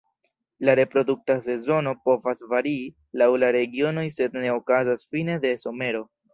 La reprodukta sezono povas varii laŭ la regionoj sed ne okazas fine de somero.